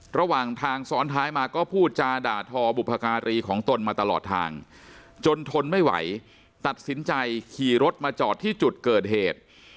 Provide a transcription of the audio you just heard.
ระหว่างทางซ้อนท้ายมาก็พูดจาด่าทอบุพการีของตนมาตลอดทางจนทนไม่ไหวตัดสินใจขี่รถมาจอดที่จุดเกิดเหตุ